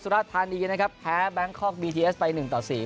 สุราธารณีนะครับแพ้แบงค์คอล์กบีทีเอสไปหนึ่งต่อสี่